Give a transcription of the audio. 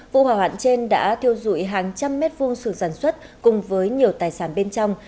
vụ hỏa hoạn trên đã thiêu dụi hàng trăm mét vuông sườn sản xuất cùng với nhiều tài sản bên trong